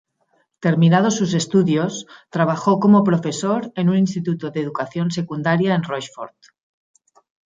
Terminados sus estudios, trabajó como profesor en un instituto de educación secundaria en Rochefort.